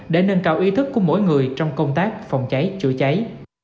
để nâng cao ý thức của mỗi người trong công tác phòng cháy chữa cháy